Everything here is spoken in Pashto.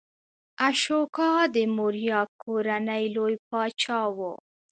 اشوکا د موریا کورنۍ لوی پاچا و.